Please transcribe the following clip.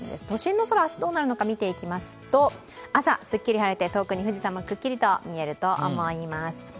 都心の空、明日どうなるのか見ていきますと朝、すっきり晴れて、遠くに富士山もくっきりと見えると思います。